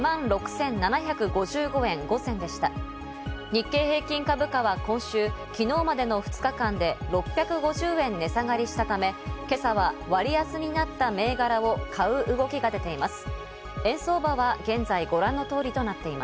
日経平均株価は今週、昨日までの２日間で６５０円、値下がりしたため今朝は割安になった銘柄を買う動きが出ています。